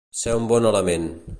Ser un bon element.